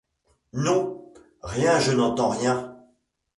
Non, rien, je n’entends rien.